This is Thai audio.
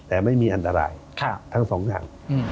แต่ไม่มีอันตรายทั้ง๒หนัก